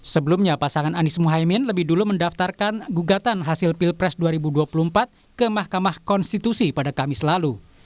sebelumnya pasangan anies muhaymin lebih dulu mendaftarkan gugatan hasil pilpres dua ribu dua puluh empat ke mahkamah konstitusi pada kamis lalu